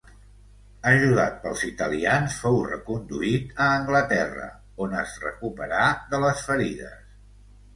Ajudat pels italians fou reconduït a Anglaterra, on es recuperà de les ferides.